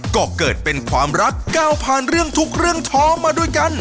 ก็เกิดเป็นความรักก้าวผ่านเรื่องทุกเรื่องท้องมาด้วยกัน